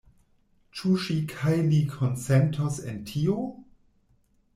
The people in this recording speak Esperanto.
Ĉu si kaj li konsentos en tio?